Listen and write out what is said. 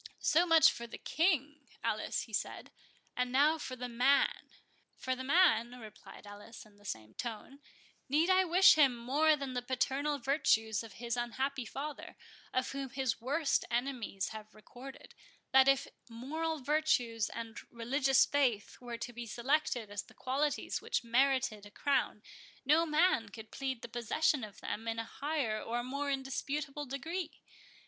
"So much for the King, Alice," he said, "and now for the Man." "For the man," replied Alice, in the same tone, "need I wish him more than the paternal virtues of his unhappy father, of whom his worst enemies have recorded, that if moral virtues and religious faith were to be selected as the qualities which merited a crown, no man could plead the possession of them in a higher or more indisputable degree.